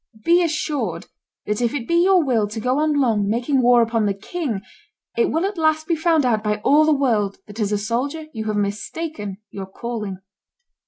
... Be assured that if it be your will to go on long making war upon the king, it will at last be found out by all the world that as a soldier you have mistaken your calling."